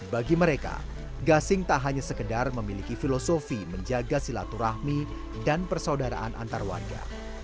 bagi mereka gasing tak hanya sekedar memiliki filosofi menjaga silaturahmi dan persaudaraan antar warga